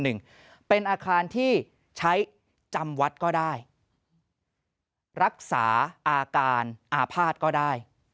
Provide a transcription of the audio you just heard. หนึ่งเป็นอาคารที่ใช้จำวัดก็ได้รักษาอาการอาภาษณ์ก็ได้